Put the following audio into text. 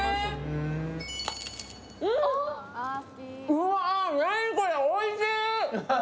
うわ、何これ、おいしい！